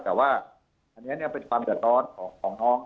แต่ว่าอันเนี่ยเป็นความเจาะดอดของน้อง